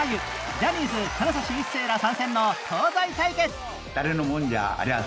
ジャニーズ金指一世ら参戦の東西対決！